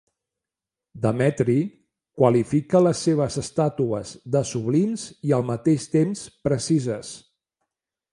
Demetri qualifica les seves estàtues de sublims, i al mateix temps precises.